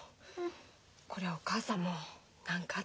こりゃお母さんも何かあったね。